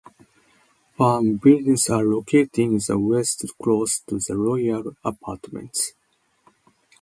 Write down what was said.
Farm buildings are located in the west close to the royal apartments.